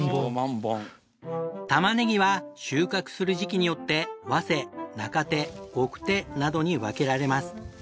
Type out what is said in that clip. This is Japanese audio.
たまねぎは収穫する時期によって早生中生晩生などに分けられます。